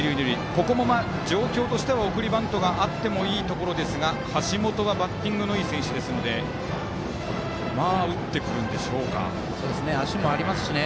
ここも状況としても送りバントがあってもいいところですが橋本はバッティングのいい選手なので足もありますしね。